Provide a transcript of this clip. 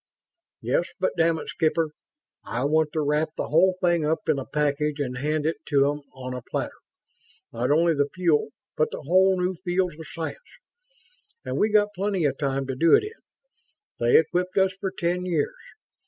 "Yes, but damn it, Skipper, I want to wrap the whole thing up in a package and hand it to 'em on a platter. Not only the fuel, but whole new fields of science. And we've got plenty of time to do it in. They equipped us for ten years.